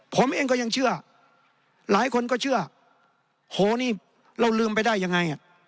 ผมเองก็ยังเชื่อหลายคนก็เชื่อโหนี่เราลืมไปได้ยังไง